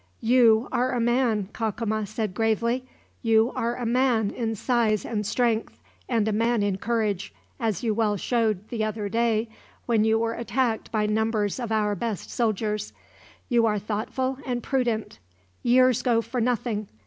"You are a man," Cacama said gravely. "You are a man in size and strength, and a man in courage; as you well showed, the other day, when you were attacked by numbers of our best soldiers. You are thoughtful and prudent. Years go for nothing.